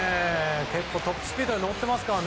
トップスピードに乗っていますから。